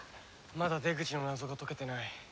まだ出口の謎が解けてない。